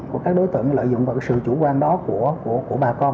của các đối tượng lợi dụng vào sự chủ quan đó của bà con